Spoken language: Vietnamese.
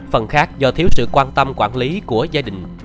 phần khác do thiếu sự quan tâm quản lý của gia đình